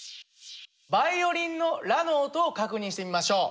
バイオリンのラの音を確認してみましょう。